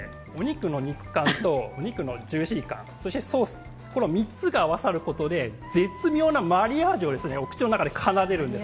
お肉の肉感とそのジューシー感、そしてソース、この３つが合わさることで、絶妙なマリアージュをお口の中で奏でるんです。